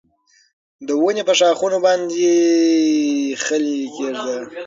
د ونې په ښاخونو باندې خلی کېږده.